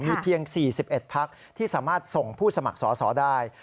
มีเพียง๔๑พักที่สามารถส่งผู้สมัครสอสอได้